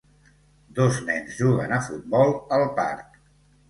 Dos nens juguen a futbol al parc.